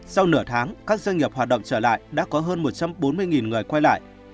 sau nửa tháng các doanh nghiệp hoạt động trở lại đã có hơn một trăm bốn mươi người quay lại